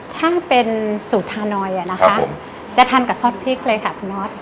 ถ้าเป็นสูตรทานอยนะคะจะทานกับซอสพริกเลยค่ะคุณน็อต